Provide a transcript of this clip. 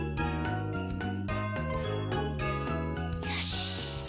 よし。